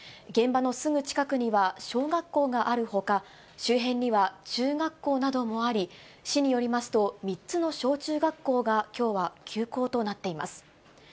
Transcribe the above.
現場のすぐ近くには小学校があるほか、周辺には中学校などもあり、市によりますと、３つの小中学校がきょうは休校となっています。